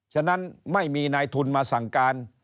ฉะนั้นไม่มีนายทุนมาสั่งการ